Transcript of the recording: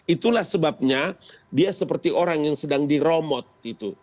itulah sebabnya dia seperti orang yang sedang di remote